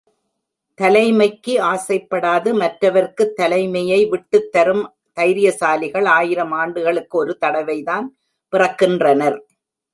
தலைமைக்கு ஆசைப்படாது மற்றவர்க்குத் தலைமையை விட்டுத்தரும் தைரியசாலிகள் ஆயிரம் ஆண்டுக்கு ஒரு தடவைதான் பிறக்கின்றனர்.